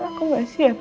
aku gak siap